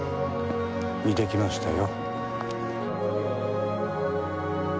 似てきましたよ。